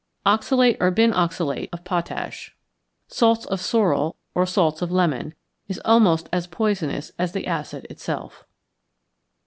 =Oxalate or Binoxalate of Potash= (salts of sorrel or salts of lemon) is almost as poisonous as the acid itself.